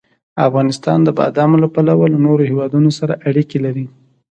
افغانستان د بادامو له پلوه له نورو هېوادونو سره اړیکې لري.